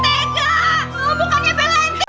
bukannya bela ente